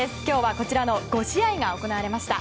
今日はこちらの５試合が行われました。